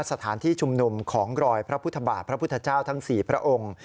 สถานที่ชุมนุมของรอยพระพุทธบาทพระพุทธเจ้าทั้ง๔พระองค์